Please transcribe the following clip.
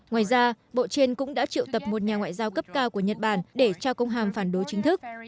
ngoài ra bộ trên cũng đã triệu tập một nhà ngoại giao cấp cao của nhật bản để trao công hàm phản đối chính thức